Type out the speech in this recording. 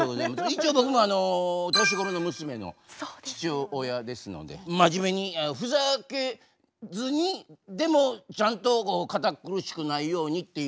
一応僕もあの年頃の娘の父親ですので真面目にふざけずにでもちゃんと堅っ苦しくないようにっていう。